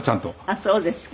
あっそうですか。